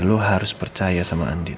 lo harus percaya sama andi